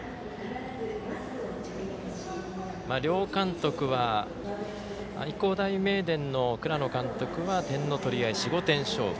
両監督愛工大名電の倉野監督は点の取り合い、４５点勝負。